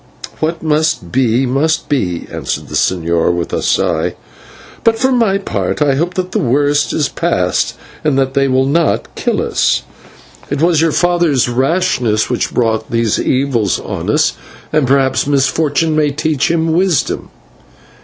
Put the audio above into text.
"What must be, must be," answered the señor with a sigh, "but for my part I hope that the worst is past and that they will not kill us. It was your father's rashness which brought these evils on us, and perhaps misfortune may teach him wisdom."